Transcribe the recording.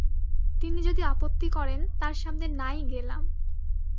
তিনি যদি আপত্তি করেন, তাঁর সামনে নাই গেলাম।